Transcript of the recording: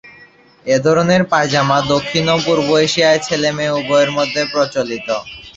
এ ধরনের পায়জামা দক্ষিণ ও পূর্ব এশিয়ায় ছেলে-মেয়ে উভয়ের মধ্যে প্রচলিত।